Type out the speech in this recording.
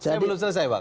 saya belum selesai pak